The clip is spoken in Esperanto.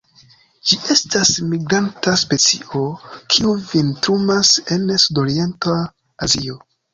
Ĝi estas migranta specio, kiu vintrumas en sudorienta Azio.